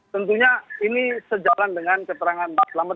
tentunya ini sejalan dengan keterangan mbak selamat